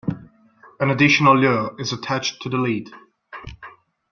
An additional lure is attached to the lead.